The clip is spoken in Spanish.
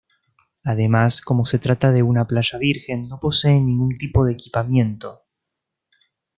Además, como se trata de una playa virgen, no posee ningún tipo de equipamiento.